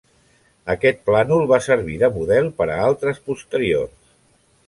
Aquest plànol va servir de model per a altres posteriors.